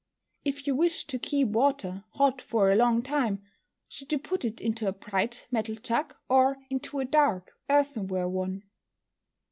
_If you wished to keep water hot for a long time, should you put it into a bright metal jug, or into a dark earthenware one?